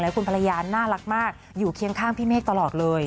คุณภรรยาน่ารักมากอยู่เคียงข้างพี่เมฆตลอดเลย